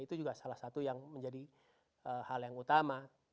itu juga salah satu yang menjadi hal yang utama